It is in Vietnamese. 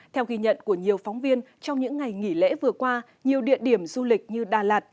theo ghi nhận của nhiều phóng viên trong những ngày nghỉ lễ vừa qua nhiều địa điểm du lịch như đà lạt